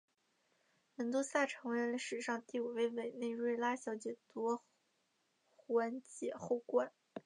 门多萨成为了史上第五位委内瑞拉小姐夺环姐后冠。